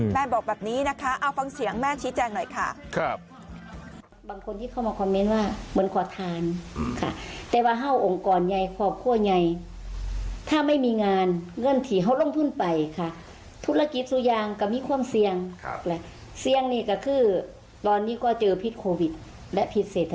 แม่บอกแบบนี้นะคะเอาฟังเสียงแม่ชี้แจงหน่อยค่ะ